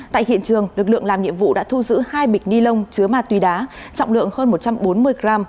tại hiện trường lực lượng làm nhiệm vụ đã thu giữ hai bịch ni lông chứa ma túy đá trọng lượng hơn một trăm bốn mươi g